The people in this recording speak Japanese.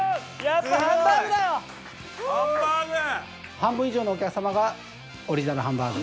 半分以上のお客様がオリジナルハンバーグ。